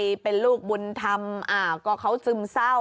ลูกเป็นลูกบุญธรรมก็เขาซึมเศร้า